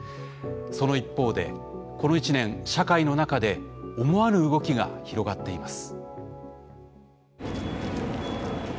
その一方でこの１年社会の中で思わぬ動きが広がっています。